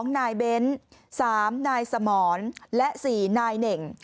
๒นายเบ้น๓นายสมรและ๔นายเหน่ง